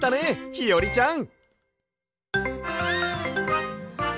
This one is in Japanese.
ひよりちゃん！